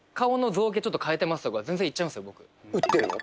打ってんの？